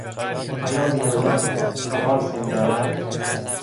آیا ویولن چهار سیم دارد؟